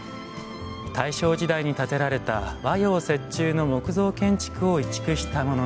大正時代に建てられた和洋折衷の木造建築を移築したものです。